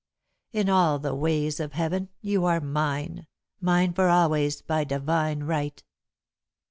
In all the ways of Heaven, you are mine mine for always, by divine right!"